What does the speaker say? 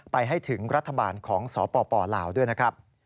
ไปให้ถึงรัฐบาลของสปลาวด้วยนะครับ